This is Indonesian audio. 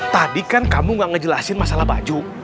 tadi kan kamu gak ngejelasin masalah baju